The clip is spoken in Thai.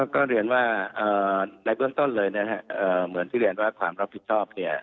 ก็เรียนว่าในเบื้องต้นเลยนะครับเหมือนที่เรียนว่าความรับผิดชอบเนี่ย